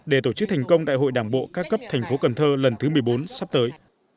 để tổ chức thành công đại hội đảng bộ các cấp thành phố cần thơ lần thứ một mươi bốn sắp tới